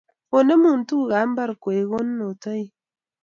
Onemu tuguk ab mbar koek kanunotoik